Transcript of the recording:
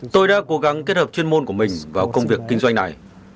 tôi đã cố gắng kết hợp chuyên môn của mình vào công việc kinh doanh này